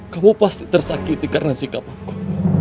kamu pasti tersakiti karena sikap aku